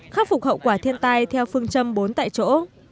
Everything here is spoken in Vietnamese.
khắc phục hậu quả thiên tai theo phương châm bốn tại chỗ